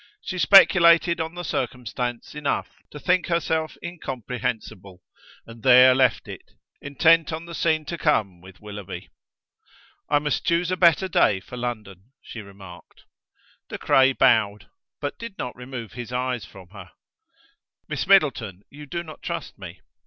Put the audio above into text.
She speculated on the circumstance enough to think herself incomprehensible, and there left it, intent on the scene to come with Willoughby. "I must choose a better day for London," she remarked. De Craye bowed, but did not remove his eyes from her. "Miss Middleton, you do not trust me."